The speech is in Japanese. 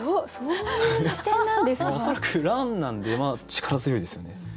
恐らく蘭なんで力強いですよね。